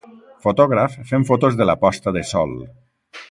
Fotògraf fent fotos de la posta de sol.